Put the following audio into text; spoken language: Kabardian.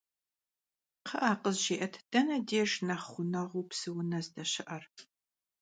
Kxhı'e, khızjjı'et, dene dêjj nexh ğuneğuu psıune zdeşı'er?